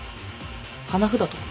花札とか？